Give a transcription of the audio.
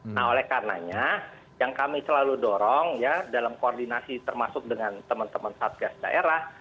nah oleh karenanya yang kami selalu dorong ya dalam koordinasi termasuk dengan teman teman satgas daerah